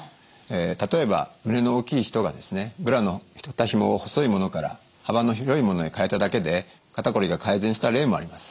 例えば胸の大きい人がですねブラの肩ひもを細いものから幅の広いものへ変えただけで肩こりが改善した例もあります。